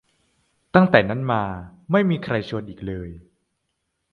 ตั้งแต่นั้นมา ไม่มีใครชวนอีกเลย